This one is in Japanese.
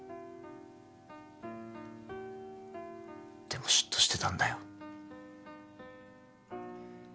でも嫉妬してたんだよ。